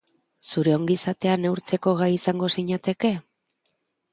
Zure ongizatea neurtzeko gai izango zinateke?